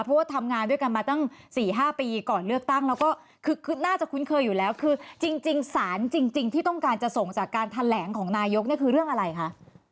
เพราะว่าทำงานด้วยกันมาตั้ง๔๕ปีก่อนเลือกตั้งแล้วก็คือน่าจะคุ้นเคยอยู่แล้วคือจริงสารจริงที่ต้องการจะส่งจากการแถลงของนายกเนี่ยคือเรื่องอะไรคะ